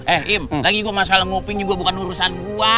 eh im lagi gua masalah nguping juga bukan urusan gua